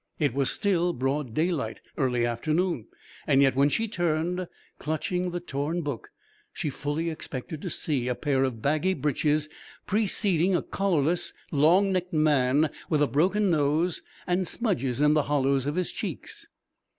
It was still broad daylight early afternoon. And yet when she turned, clutching the torn book, she fully expected to see a pair of baggy breeches preceding a collarless, long necked man with a broken nose, and smudges in the hollows of his cheeks.